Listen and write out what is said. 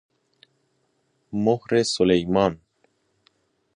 مهر سلیمان